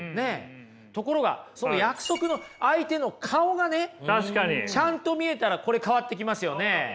ところがその約束の相手の顔がねちゃんと見えたらこれ変わってきますよね。